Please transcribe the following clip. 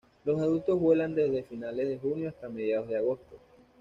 Los adultos vuelan desde finales de junio hasta mediados de agosto.